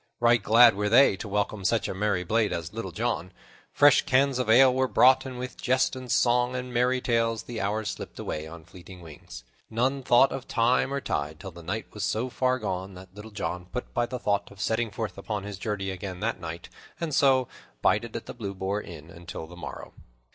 Right glad were they to welcome such a merry blade as Little John. Fresh cans of ale were brought, and with jest and song and merry tales the hours slipped away on fleeting wings. None thought of time or tide till the night was so far gone that Little John put by the thought of setting forth upon his journey again that night, and so bided at the Blue Boar Inn until the morrow.